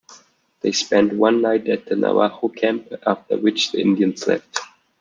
They spent one night at the Navajo camp, after which the Indians left.